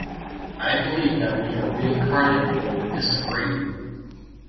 I believe that we are reincarnated but you disagree.